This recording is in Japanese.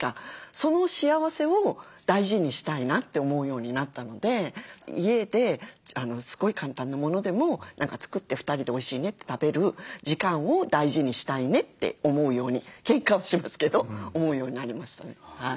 その幸せを大事にしたいなって思うようになったので家ですごい簡単なものでも作って２人でおいしいねって食べる時間を大事にしたいねって思うようにけんかはしますけど思うようになりましたね。